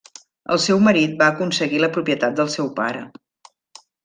El seu marit va aconseguir la propietat del seu pare.